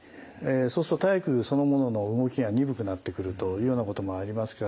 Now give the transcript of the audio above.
そうすると体育そのものの動きが鈍くなってくるというようなこともありますから。